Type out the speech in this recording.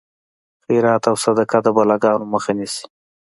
خیرات او صدقه د بلاګانو مخه نیسي.